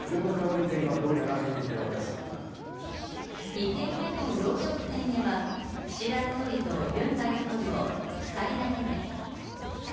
２軒目の洋食店へは、岸田総理とユン大統領２人だけで。